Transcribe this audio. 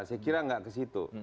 saya kira nggak ke situ